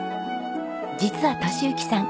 実は敏之さん